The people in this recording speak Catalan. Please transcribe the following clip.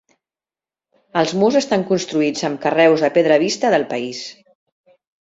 Els murs estan construïts amb carreus de pedra vista del país.